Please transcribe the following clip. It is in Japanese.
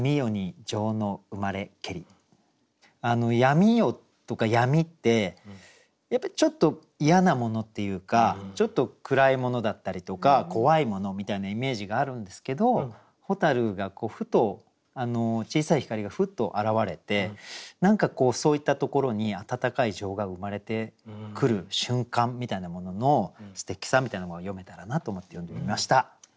闇夜とか闇ってやっぱりちょっと嫌なものっていうかちょっと暗いものだったりとか怖いものみたいなイメージがあるんですけど蛍がこうふと小さい光がふっと現れて何かこうそういったところに温かい情が生まれてくる瞬間みたいなもののすてきさみたいものを詠めたらなと思って詠んでみました。